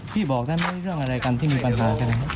พี่บอกได้ไหมเรื่องอะไรกันที่มีปัญหากันครับ